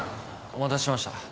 お待たせしました。